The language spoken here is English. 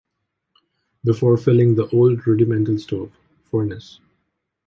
Before filling the old rudimental stove (furnace).